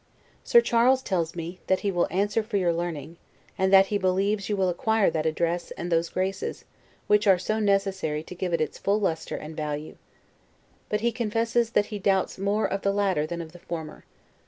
Sir Charles tells me, that he will answer for your learning; and that, he believes, you will acquire that address, and those graces, which are so necessary to give it its full lustre and value. But he confesses, that he doubts more of the latter than of the former.